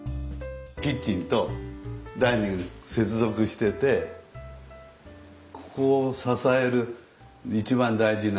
キッチンとダイニング接続しててここを支える一番大事な空間になってる。